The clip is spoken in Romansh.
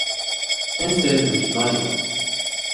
Els sesan vid meisa.